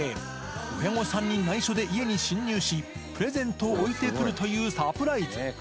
親御さんにないしょで家に侵入し、プレゼントを置いてくるというサプライズ。